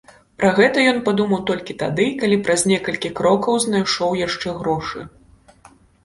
Пра гэта ён падумаў толькі тады, калі праз некалькі крокаў знайшоў яшчэ грошы.